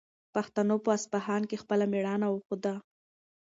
پښتنو په اصفهان کې خپله مېړانه وښوده.